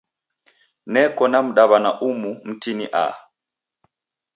Neko na mdaw'ana umu mtini aha.